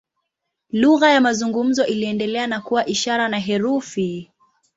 Lugha ya mazungumzo iliendelea na kuwa ishara na herufi.